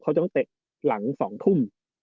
เขาจะต้องเตะหลัง๒ทุ่ม